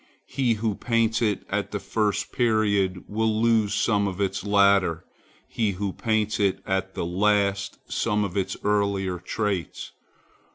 He who paints it at the first period will lose some of its later, he who paints it at the last, some of its earlier traits.